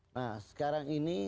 nah sekarang ini